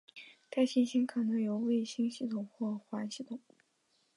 该行星可能有卫星系统或环系统。